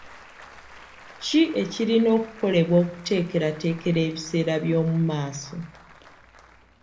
Ki ekirina okukolebwa okuteekerateekera ebiseera by'omu maaso?